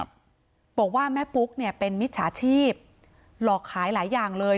บอกว่าแม่ปุ๊กเนี่ยเป็นมิจฉาชีพหลอกขายหลายอย่างเลย